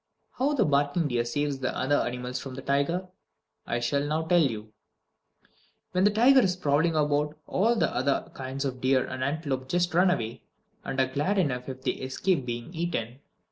How the barking deer saves the other animals from the tiger, I shall now tell you: When the tiger is prowling about, all other kinds of deer and antelope just run away, and are glad enough if they escape being eaten.